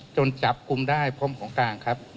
จับกลุ่มได้พร้อมของกลางครับ